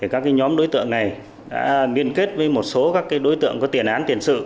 các nhóm đối tượng này đã liên kết với một số đối tượng có tiền án tiền sự